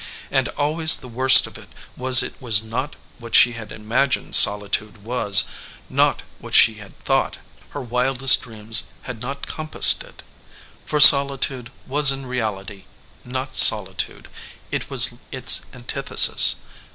And always the worst of it was it was not what she had imagined solitude was, not what she had thought. Her wildest dreams had not com passed it. For solitude was in reality not solitude. It was its antithesis.